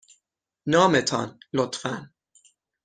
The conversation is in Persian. نام تان، لطفاً.